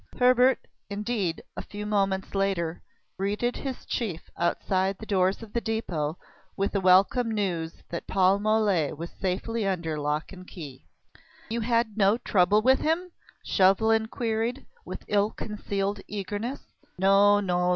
Hebert, indeed, a few moments later, greeted his chief outside the doors of the depot with the welcome news that Paul Mole was safely under lock and key. "You had no trouble with him?" Chauvelin queried, with ill concealed eagerness. "No, no!